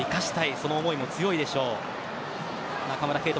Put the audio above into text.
その思いも強いでしょう。